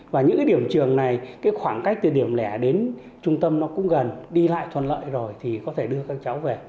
và những điểm trường này khoảng cách từ điểm lẻ đến trung tâm cũng gần đi lại thuận lợi rồi thì có thể đưa các cháu về